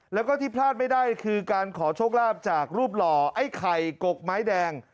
แล้วก็ที่พลาดไม่ได้คือการขอโชคลาภจากรูปหล่อไอ้ไข่กกไม้แดง